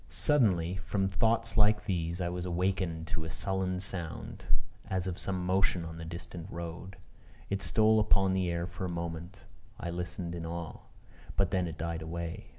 ] Suddenly from thoughts like these, I was awakened to a sullen sound, as of some motion on the distant road. It stole upon the air for a moment; I listened in awe; but then it died away.